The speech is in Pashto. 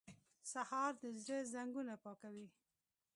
سهار د زړه زنګونه پاکوي.